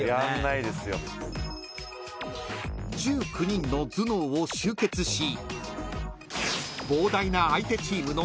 ［１９人の頭脳を集結し］